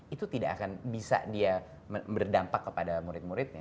itu tidak akan bisa dia berdampak kepada murid muridnya